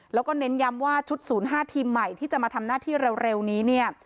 แล้วก็เน้นย้ำว่าชุด๐๕ทีมใหม่ที่จะมาทำหน้าที่เร็วนี้เนี่ย